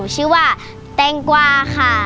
ชื่อว่าแตงกวาค่ะ